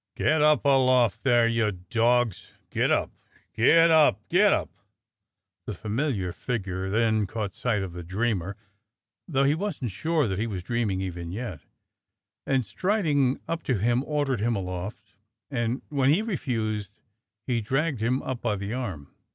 "Get up aloft there, you dogs! Get up! Get up! Get up! The familiar figure then caught sight of the dreamer (though he wasn't sure that he was dreaming even yet) , and striding up to him ordered him aloft, and when he refused he dragged him up by the arm.